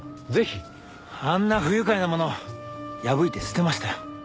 あんな不愉快なもの破いて捨てましたよ。